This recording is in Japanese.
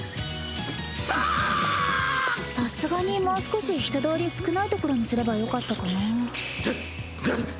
さすがにもう少し人通り少ない所にすればよかったかなぁ。